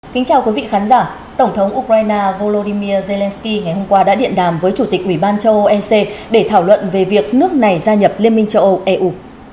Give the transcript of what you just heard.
kính chào quý vị khán giả tổng thống ukraine volodymyr zelensky ngày hôm qua đã điện đàm với chủ tịch ủy ban châu âu ec để thảo luận về việc nước này gia nhập liên minh châu âu eu